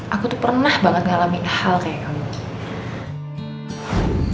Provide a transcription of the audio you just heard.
aku tuh pernah banget ngalamin hal kayak kamu